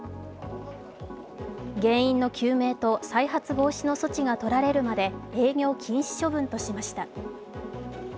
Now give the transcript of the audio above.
原因の究明と再発防止の措置がとられるまで営業禁止処分としました。